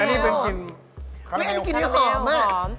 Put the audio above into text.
อันนี้เป็นกลิ่นคาลาเมลคาลาเมลหอม